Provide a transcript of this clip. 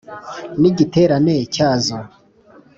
n’ igiterane cyazo,